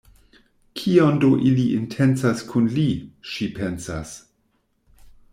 Kion do ili intencas kun li?, ŝi pensas.